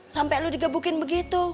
sampai lo digebukin begitu